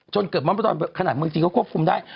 จนเกิดม็อบจนเกิดม็อบขนาดเมืองจีนก็ควบคุมได้